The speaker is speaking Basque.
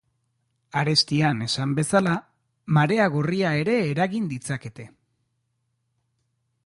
Arestian esan bezala, marea gorria ere eragin ditzakete.